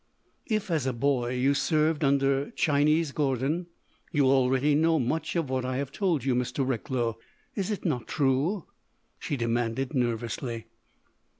"If, as a boy, you served under Chinese Gordon, you already know much of what I have told you, Mr. Recklow. Is it not true?" she demanded nervously.